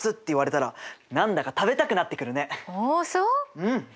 うん！